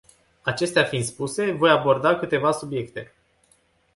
Acestea fiind spuse, voi aborda câteva subiecte.